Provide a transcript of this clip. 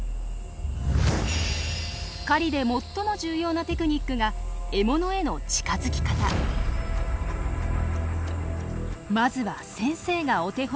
狩りで最も重要なテクニックがまずは先生がお手本。